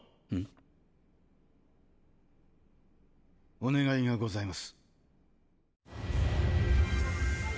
お願いがございます。